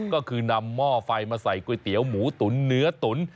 ก็คือนำหม้อไฟมาใส่ก๋วยเตี๋ยวหมูตุ๋นเนื้อตุ๋น